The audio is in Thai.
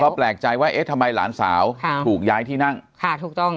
ก็แปลกใจว่าเอ๊ะทำไมหลานสาวค่ะถูกย้ายที่นั่งค่ะถูกต้อง